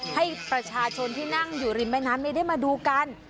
ให้ประชาชนที่นั่งอยู่ริมแม่น้ำไม่ได้มาดูกัน